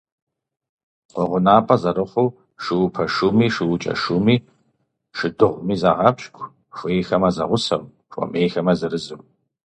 КъуэгъэнапӀэ зэрыхъуу шуупэ шуми, шуукӀэ шуми, шыдыгъуми загъэпщкӀу, хуейхэмэ, зэгъусэу, хуэмейхэмэ, зырызу.